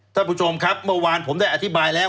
ท่านผู้ชมครับเมื่อวานผมได้อธิบายแล้ว